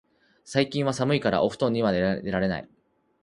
最近は寒いからお布団から出られない